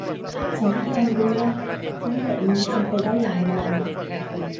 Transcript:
ฉันต้องการรู้ว่าทั้งหมดนี้เป็นไปได้อย่างไร